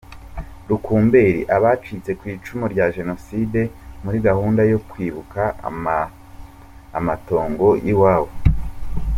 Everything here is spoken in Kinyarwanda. Rukumberi Abacitse ku icumu rya Jenoside muri gahunda yo kwibuka amatongo y’iwabo